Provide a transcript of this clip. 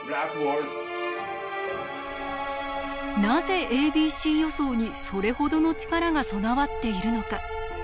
なぜａｂｃ予想にそれほどの力が備わっているのか。